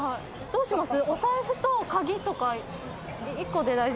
どうします？